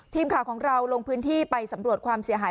ทีมข่าวของเราลงพื้นที่ไปสำรวจความเสียหาย